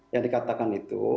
yang dikatakan itu